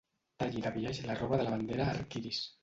Talli de biaix la roba de la bandera arc-iris.